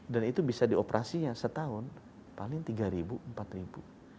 dan itu bisa dioperasi setahun paling tiga ribu empat ribu